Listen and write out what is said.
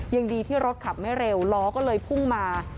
ยังดีที่รถขับไม่เร็วล้อก็เลยพุ่งมา